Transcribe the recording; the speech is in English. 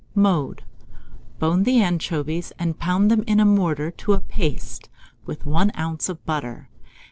Mode. Bone the anchovies, and pound them in a mortar to a paste, with 1 oz. of butter.